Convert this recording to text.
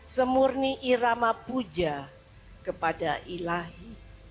semurni irama puja kepada ilahi